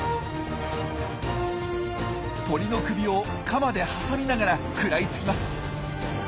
鳥の首をカマで挟みながら食らいつきます。